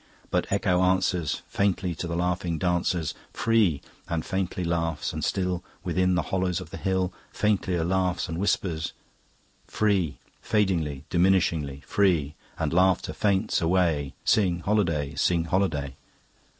But Echo answers Faintly to the laughing dancers, 'Free' and faintly laughs, and still, Within the hollows of the hill, Faintlier laughs and whispers, 'Free,' Fadingly, diminishingly: 'Free,' and laughter faints away... Sing Holiday! Sing Holiday!"